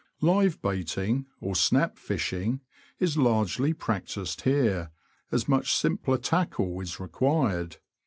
Live baiting, or Snap fishing, is largely practised here, as much simpler tackle is required.